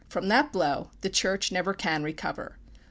From that blow the Church never can recover.